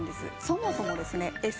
そもそもですね